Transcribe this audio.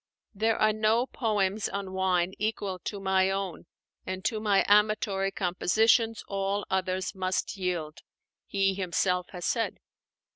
"There are no poems on wine equal to my own, and to my amatory compositions all others must yield," he himself has said.